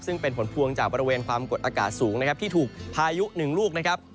ซึ่งเป็นผลพวงจากบริเวณความกดอากาศสูงนะครับที่ถูกพายุหนึ่งลูกนะครับ